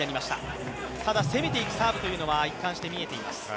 攻めていくサーブは一貫して見えています。